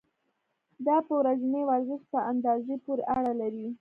دا په ورځني ورزش په اندازې پورې اړه لري.